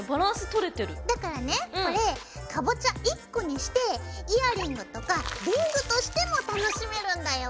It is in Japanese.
だからねこれかぼちゃ１個にしてイヤリングとかリングとしても楽しめるんだよ！